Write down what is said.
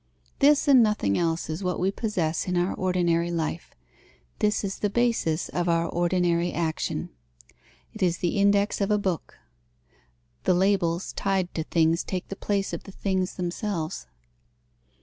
This and nothing else is what we possess in our ordinary life; this is the basis of our ordinary action. It is the index of a book. The labels tied to things take the place of the things themselves.